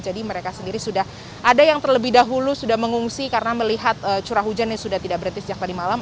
ada yang terlebih dahulu sudah mengungsi karena melihat curah hujannya sudah tidak berhenti sejak tadi malam